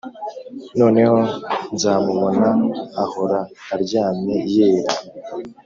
noneho nzamubona ahora aryamye yera -